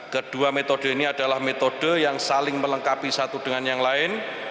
kedua metode ini adalah metode yang saling melengkapi satu dengan yang lain